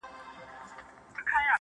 قاسمیار په زنځیر بند تړلی خوښ یم ,